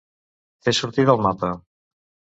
Fer sortir del mapa.